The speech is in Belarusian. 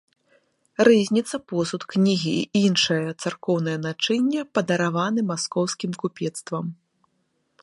Рызніца, посуд, кнігі і іншае царкоўнае начынне падараваны маскоўскім купецтвам.